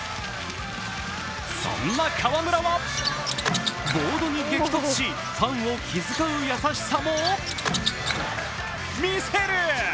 そんな河村はボードに激突しファンを気遣う優しさも見せる。